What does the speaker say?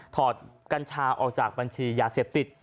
กัญชาออกจากบัญชียาเสพติด